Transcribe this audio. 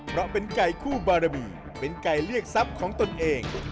เพราะเป็นไก่คู่บารมีเป็นไก่เรียกทรัพย์ของตนเอง